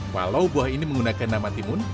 walau buah ini menggunakan nama timun